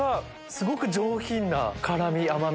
すごく上品な辛み甘み。